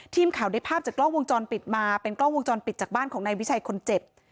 ทีมข่าวได้ภาพจากกล้องวงจรปิดมาเป็นกล้องวงจรปิดจากบ้านของนายวิชัยคนเจ็บ